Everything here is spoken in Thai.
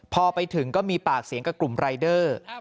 พอไปถึงก็มีปากเสียงกับกลุ่มรายเดอร์